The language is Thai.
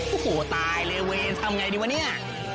โอ้โหตายเลเวนทำไงดีวะเนี่ย